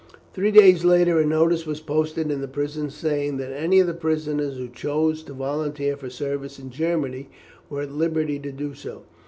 Three days later a notice was posted in the prison saying that any of the prisoners who chose to volunteer for service in Germany were at liberty to do so.